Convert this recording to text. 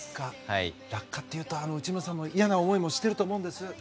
落下というと内村さんも嫌な思いをしていると思うんです。